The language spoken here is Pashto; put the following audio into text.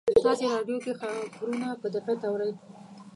تاسې راډیو کې خبرونه په دقت اورئ